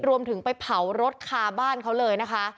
ไปถึงไปเผารถคาบ้านเขาเลยนะคะ